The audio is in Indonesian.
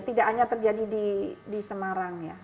tidak hanya terjadi di semarang ya